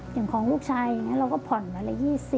อย่างของลูกชายอย่างนี้เราก็ผ่อนวันละ๒๐